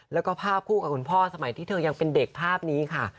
แล้วก็ภาพคู่กับคุณพ่อสมัยที่เธอยังเป็นเด็กภาพนี้ค่ะ